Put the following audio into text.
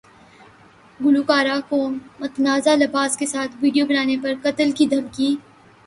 گلوکارہ کو متنازع لباس کے ساتھ ویڈیو بنانے پر قتل کی دھمکی